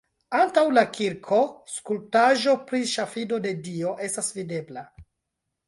Antaŭ la kirko skulptaĵo pri ŝafido de Dio estas videbla.